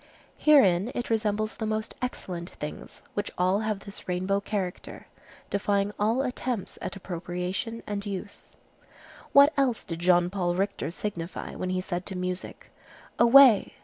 Herein it resembles the most excellent things, which all have this rainbow character, defying all attempts at appropriation and use. What else did Jean Paul Richter signify, when he said to music, "Away!